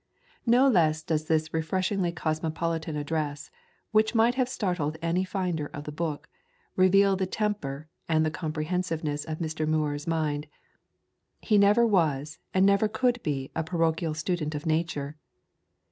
No less does this refreshingly cosmopolitan address, which might have startled any finder of the book, reveal the temper and the comprehen siveness of Mr. Muir's mind. He never was and never could be a parochial student of nature.